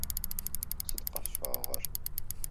Сыд къэсщагъэр?